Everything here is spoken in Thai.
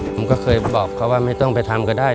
ผมก็เคยบอกเขาว่าไม่ต้องไปทำก็ได้